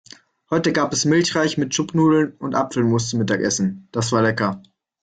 Heute gab es Milchreis mit Schupfnudeln und Apfelmus zum Mittagessen. Das war lecker.